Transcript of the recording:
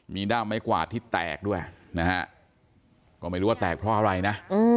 ด้ามไม้กวาดที่แตกด้วยนะฮะก็ไม่รู้ว่าแตกเพราะอะไรนะ